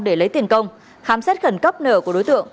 để lấy tiền công khám xét khẩn cấp nợ của đối tượng